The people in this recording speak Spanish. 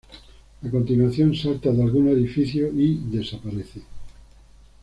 A continuación, salta de algunos edificios y desaparece.